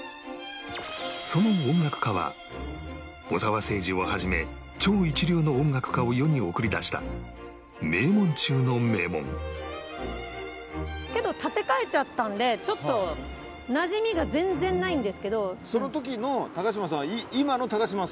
その音楽科は小澤征爾を始め超一流の音楽家を世に送り出した名門中の名門けど建て替えちゃったんでちょっとなじみが全然ないんですけど。